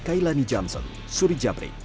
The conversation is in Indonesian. kailani jamsun suri jabrik